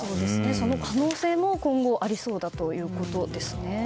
その可能性も今後ありそうだということです。